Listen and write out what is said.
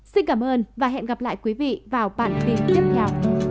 xin cảm ơn và hẹn gặp lại quý vị vào bản tin tiếp theo